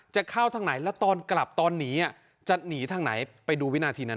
จะเข้าทางไหนแล้วตอนกลับตอนหนีจะหนีทางไหนไปดูวินาทีนั้น